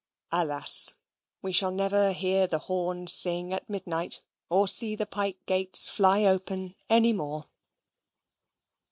Alas! we shall never hear the horn sing at midnight, or see the pike gates fly open any more.